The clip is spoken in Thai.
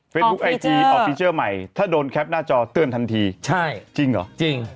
ออฟฟีเจอร์ออฟฟีเจอร์ใหม่ถ้าโดนแคปหน้าจอเตือนทันทีจริงหรือจริง